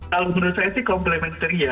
kalau menurut saya sih complementary ya